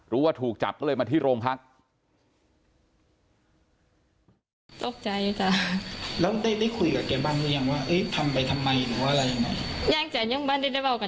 รู้ว่าถูกจับก็เลยมาที่โรงพัก